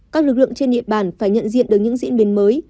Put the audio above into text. các lực lượng trên địa bàn phải nhận diện được những diễn biến mới